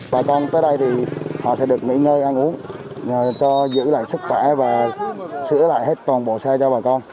bà con tới đây thì họ sẽ được nghỉ ngơi ăn uống cho giữ lại sức khỏe và sửa lại hết toàn bộ xe cho bà con